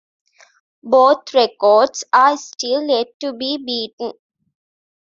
Both records are still yet to be beaten.